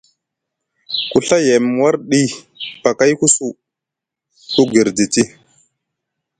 Ku Ɵa yem warɗi paakay su, ku girditi.